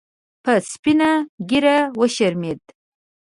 په سپینه ګیره وشرمید